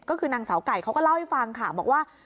ก็คือนางสาวไก่เขาก็เล่าให้ฟังค่ะบอกว่า